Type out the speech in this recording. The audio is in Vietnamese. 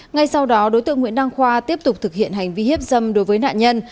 ngay sau đó đối tượng nguyễn đăng khoa tiếp tục thực hiện hành vi hiếp dâm đối với nạn nhân